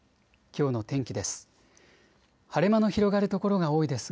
きょうの天気です。